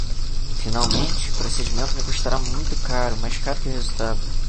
Finalmente, o procedimento me custará muito caro, mais caro que o resultado.